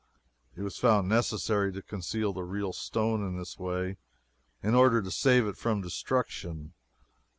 It was found necessary to conceal the real stone in this way in order to save it from destruction.